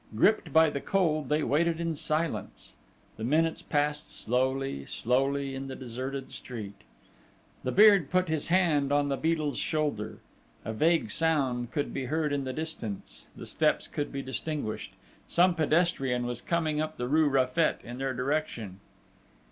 Gripped by the cold they waited in silence.... The minutes passed slowly, slowly, in the deserted street ... The Beard put his hand on the Beadle's shoulder.... A vague sound could be heard in the distance: the steps could be distinguished; some pedestrian was coming up the rue Raffet in their direction.